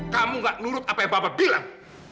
kamu tidak menurut apa yang bapak bilang